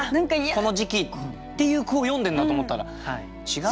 この時期」っていう句を詠んでんだと思ったら違うんですね。